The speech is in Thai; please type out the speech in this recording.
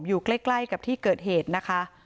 อยู่ใกล้กับที่เกิดเหตุนะคะ